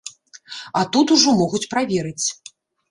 А тут ужо могуць праверыць.